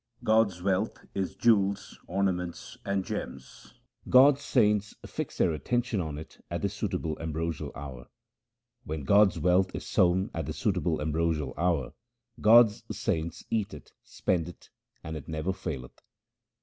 2 God's wealth is as jewels, ornaments, and gems : God's saints fix their attention on it at the suitable am brosial hour. When God's wealth is sown at the suitable ambrosial hour, God's saints eat it, spend it, and it never faileth.